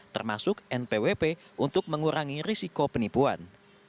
termasuk npwp untuk mengurangi risiko penipuan